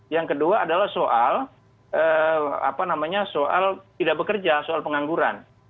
yang kedua adalah soal apa namanya soal tidak bekerja soal pengangguran